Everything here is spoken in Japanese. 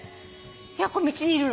これ道にいるの。